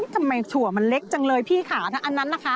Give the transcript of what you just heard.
ทำไมถั่วมันเล็กจังเลยพี่ค่ะถ้าอันนั้นล่ะคะ